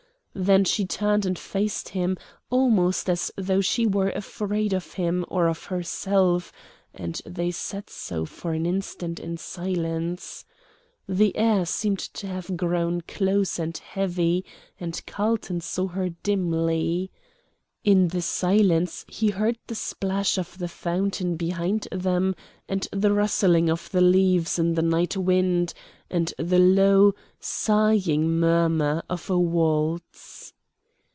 Then she turned and faced him, almost as though she were afraid of him or of herself, and they sat so for an instant in silence. The air seemed to have grown close and heavy, and Carlton saw her dimly. In the silence he heard the splash of the fountain behind them, and the rustling of the leaves in the night wind, and the low, sighing murmur of a waltz.